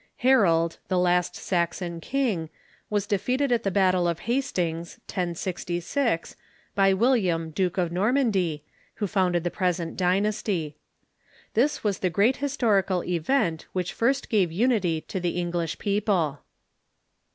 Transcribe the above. Harold, the last Saxon king, was defeated at the battle of Hastings, lOGG, by William, Duke of Normandy, who founded the present dynasty. This was the great his torical event which first gave unity to the English people.